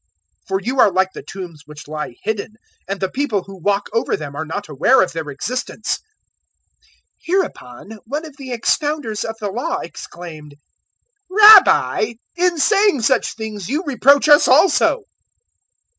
for you are like the tombs which lie hidden, and the people who walk over them are not aware of their existence." 011:045 Hereupon one of the expounders of the Law exclaimed, "Rabbi, in saying such things you reproach us also."